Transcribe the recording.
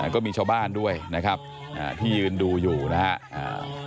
ก็มีชาวบ้านด้วยนะครับที่ยืนดูอยู่นะครับ